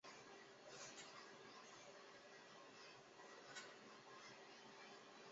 维也纳爱乐的总部设于维也纳金色大厅。